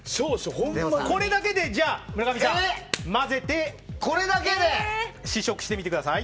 これだけで村上さん、混ぜて試食してみてください。